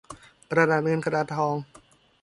กระดาษเงินกระดาษทอง